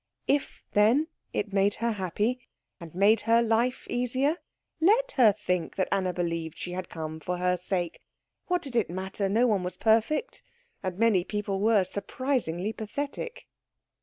If, then, it made her happy, and made her life easier, let her think that Anna believed she had come for her sake. What did it matter? No one was perfect, and many people were surprisingly pathetic.